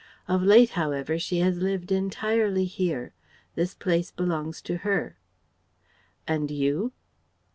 Of late, however, she has lived entirely here. This place belongs to her." "And you?"